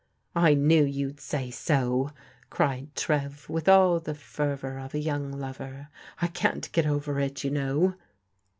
" I knew you'd say so," cried Trev, with all the fervour . of a young lover. " I can't get over it, you know."